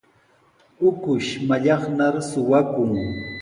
Ukush mallaqnar suqakun.